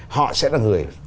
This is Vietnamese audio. họ sẽ là người